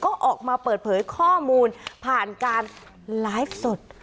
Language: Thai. ก็ออกมาเปิดเผยข้อมูลผ่านการไลฟ์สด